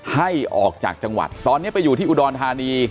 ให้ออกจากจังหวัดตอนนี้ไปอยู่ที่อุดรธานี